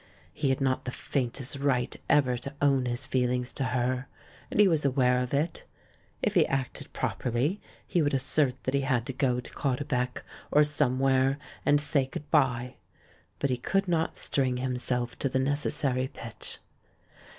He had not the faintest right ever to own his .feelings to her, and he was aware of it. If he acted properly, he would assert that he had to go to Caudebec or somewhere and say good bye ; but he could not string himself to the necessary pitch.